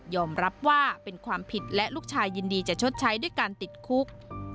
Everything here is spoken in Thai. รับว่าเป็นความผิดและลูกชายยินดีจะชดใช้ด้วยการติดคุก